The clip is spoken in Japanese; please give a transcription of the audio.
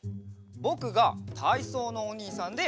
ぼくがたいそうのおにいさんで。